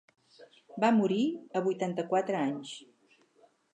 Va morir a vuitanta-quatre anys.